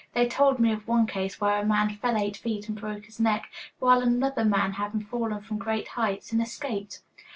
They told me of one case where a man fell eight feet and broke his neck, while other men have fallen from great heights and escaped.